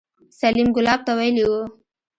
سليم ګلاب ته ويلي وو.